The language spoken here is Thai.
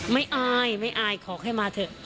ไม่อายไม่อายขอให้มาเถอะ